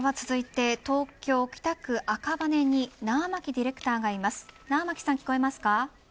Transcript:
続いて東京、北区赤羽にディレクターがいます。